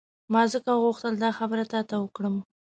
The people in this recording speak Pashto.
ما ځکه وغوښتل دا خبره تا ته وکړم.